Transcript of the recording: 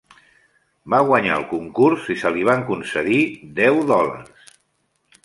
Va guanyar el concurs i se li van concedir deu dòlars.